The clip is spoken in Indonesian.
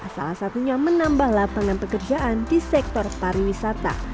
salah satunya menambah lapangan pekerjaan di sektor pariwisata